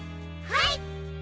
はい！